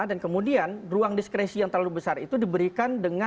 dan kemudian ruang diskresi yang terlalu besar itu diberikan kepada pemerintah